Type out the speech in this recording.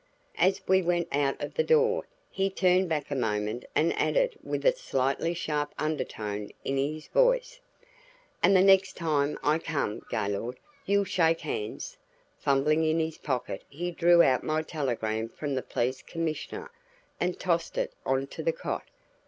As we went out of the door he turned back a moment and added with a slightly sharp undertone in his voice: "And the next time I come, Gaylord, you'll shake hands!" Fumbling in his pocket he drew out my telegram from the police commissioner, and tossed it onto the cot.